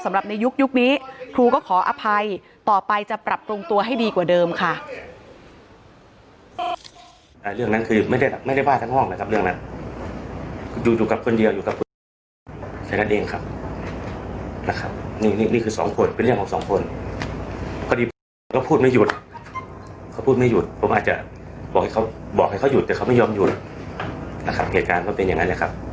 ในยุคนี้ครูก็ขออภัยต่อไปจะปรับปรุงตัวให้ดีกว่าเดิมค่ะ